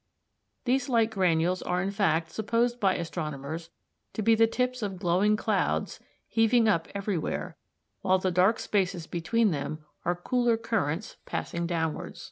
These light granules are in fact supposed by astronomers to be the tips of glowing clouds heaving up everywhere, while the dark spaces between them are cooler currents passing downwards.